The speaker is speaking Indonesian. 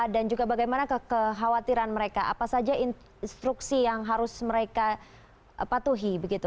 dan juga bagaimana ke kekhawatiran mereka apa saja instruksi yang harus mereka patuhi begitu